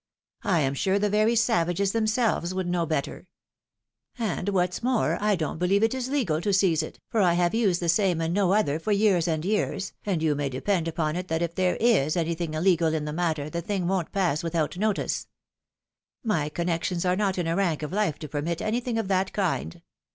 I am sure the very savages themselves would know better ! And what's more, I don't believe it is legal to seize it, for I have used the same and no other for years and years, and you may depend upon it that if there is anything illegal in the matter, the thing won't pass without notice. My connections are not in a rank of life to permit anything of that kind.